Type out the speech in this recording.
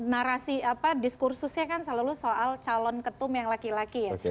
narasi apa diskursusnya kan selalu soal calon ketum yang laki laki ya